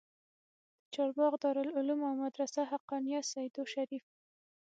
د چارباغ دارالعلوم او مدرسه حقانيه سېدو شريف